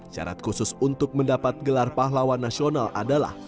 syarat khusus untuk mendapat gelar pahlawan nasional adalah